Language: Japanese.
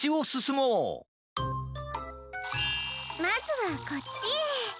もうまずはこっちへ。